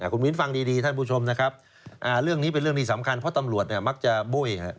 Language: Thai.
คุณวินทร์ฟังดีท่านผู้ชมนะครับ